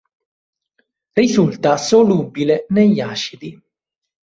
Risulta solubile negli acidi.